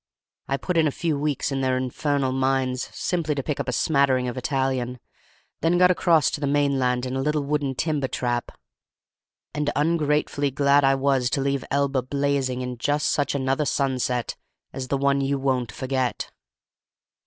I put in a few weeks in their infernal mines, simply to pick up a smattering of Italian; then got across to the mainland in a little wooden timber tramp; and ungratefully glad I was to leave Elba blazing in just such another sunset as the one you won't forget.